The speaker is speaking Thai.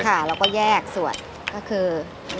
ข้าเราก็แยกส่วนก็คือ